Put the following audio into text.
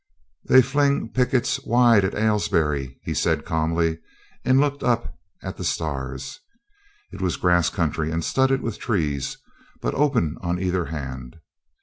"They fling pickets wide at Aylesbury," he said calmly, and looked up at the stars. It was grass country and studded with trees, but open on either hand.